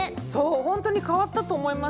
本当に変わったと思います。